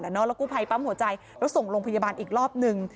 แล้วกู้ภัยปั๊มหัวใจแล้วส่งโรงพยาบาลอีกรอบนึง